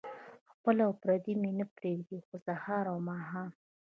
خپل او پردي مې نه پرېږدي خو سهار او ماښام.